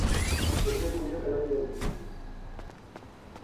Potser és millor que no t'identifiquin.